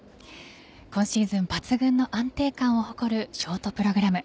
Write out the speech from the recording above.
今シーズン抜群の安定感を誇るショートプログラム。